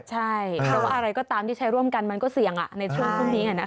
ใช่เพราะว่าอะไรก็ตามที่ใช้ร่วมกันมันก็เสี่ยงในช่วงพรุ่งนี้